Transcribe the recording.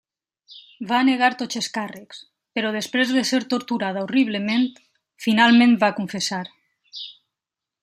Va negar tots els càrrecs, però després de ser torturada horriblement, finalment va confessar.